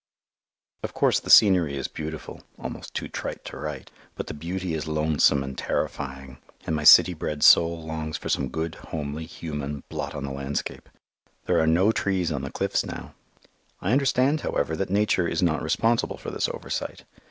Of course the scenery is beautiful almost too trite to write but the beauty is lonesome and terrifying, and my city bred soul longs for some good, homely, human "blot on the landscape." There are no trees on the cliffs now. I understand, however, that Nature is not responsible for this oversight.